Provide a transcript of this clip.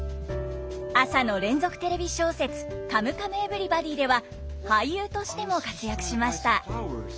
朝の連続テレビ小説「カムカムエヴリバディ」では俳優としても活躍しました。